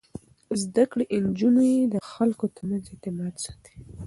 زده کړې نجونې د خلکو ترمنځ اعتماد ساتي.